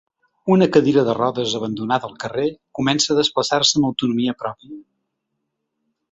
Una cadira de rodes abandonada al carrer comença a desplaçar-se amb autonomia pròpia.